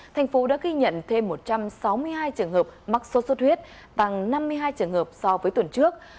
thành phố đã ghi nhận thêm một trăm sáu mươi hai trường hợp mắc sốt xuất huyết tăng năm mươi hai trường hợp so với tuần trước